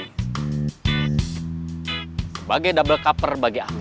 sebagai double cover bagi ami